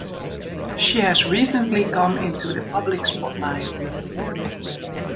She has recently come into the public spotlight.